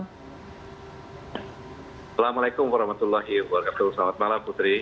assalamualaikum warahmatullahi wabarakatuh selamat malam putri